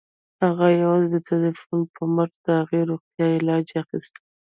هغه یوازې د ټيليفون په مټ د هغې روغتيا جاج اخيسته